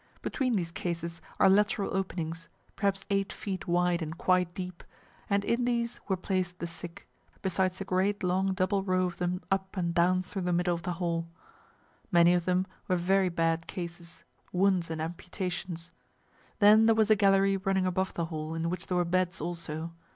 Between these cases are lateral openings, perhaps eight feet wide and quite deep, and in these were placed the sick, besides a great long double row of them up and down through the middle of the hall. Many of them were very bad cases, wounds and amputations. Then there was a gallery running above the hall in which there were beds also.